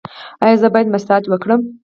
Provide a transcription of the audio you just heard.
ایا زه باید مساج وکړم؟